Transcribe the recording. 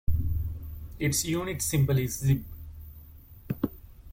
Its unit symbol is ZiB.